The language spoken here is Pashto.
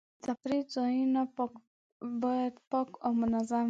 د تفریح ځایونه باید پاک او منظم وي.